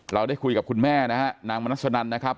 เราได้คุยกับคุณแม่นะฮะนางมนัสนันนะครับ